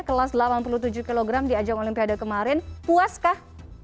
kelas delapan puluh tujuh kg di ajang olimpiade kemarin puaskah